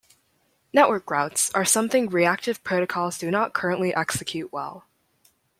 Network routes are something reactive protocols do not currently execute well.